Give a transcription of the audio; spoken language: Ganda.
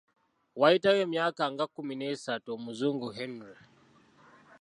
Waayitawo emyaka nga kkumi n'esatu Omuzungu Henry.